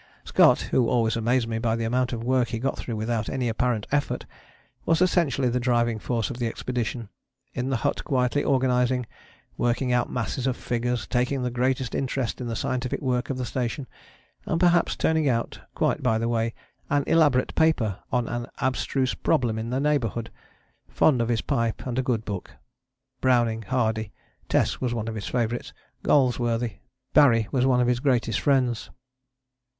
Scott, who always amazed me by the amount of work he got through without any apparent effort, was essentially the driving force of the expedition: in the hut quietly organizing, working out masses of figures, taking the greatest interest in the scientific work of the station, and perhaps turning out, quite by the way, an elaborate paper on an abstruse problem in the neighbourhood; fond of his pipe and a good book, Browning, Hardy (Tess was one of his favourites), Galsworthy. Barrie was one of his greatest friends.